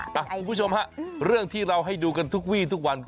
คุณผู้ชมฮะเรื่องที่เราให้ดูกันทุกวี่ทุกวัน